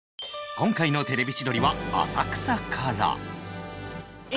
今回の『テレビ千鳥』は浅草から